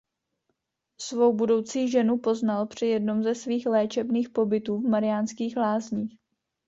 Svou budoucí ženu poznal při jednom ze svých léčebných pobytů v Mariánských Lázních.